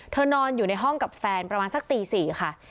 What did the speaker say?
นอนอยู่ในห้องกับแฟนประมาณสักตี๔ค่ะ